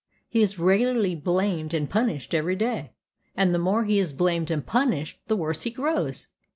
He is regularly blamed and punished every day, and the more he is blamed and punished, the worse he grows.